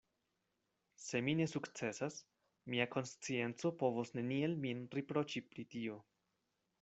Se mi ne sukcesas, mia konscienco povos neniel min riproĉi pri tio.